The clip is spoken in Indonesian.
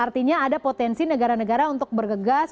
artinya ada potensi negara negara untuk bergegas